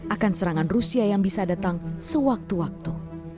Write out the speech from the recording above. akan serangan rusia yang bisa datang sewaktu waktu